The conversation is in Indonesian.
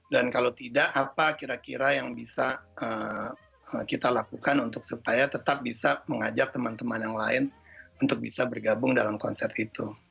dan kalau tidak apa kira kira yang bisa kita lakukan untuk supaya tetap bisa mengajak teman teman yang lain untuk bisa bergabung dalam konser itu